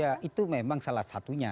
ya itu memang salah satunya